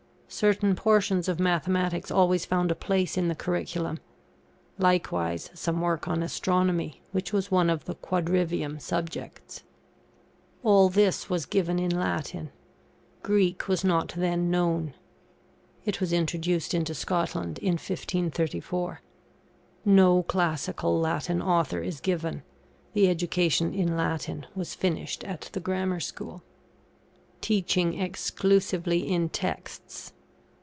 Certain portions of Mathematics always found a place in the curriculum. Likewise, some work on Astronomy, which was one of the quadrivium subjects. All this was given in Latin. Greek was not then known (it was introduced into Scotland, in 1534). No classical Latin author is given; the education in Latin was finished at the Grammar School. [TEACHING EXCLUSIVELY IN TEXTS.